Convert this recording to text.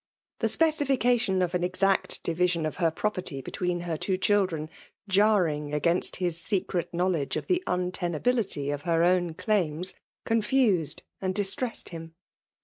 The speci fication of an exact division of her property between her two children, jarring against his secret knowledge of the untenability of her own daims, confused and distressed him.